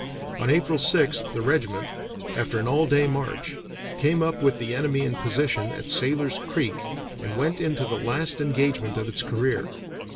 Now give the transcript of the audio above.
On April 6th the regiment, after an all day march, came up with the enemy in position at Sailor's Creek, and went into the last engagement of its career.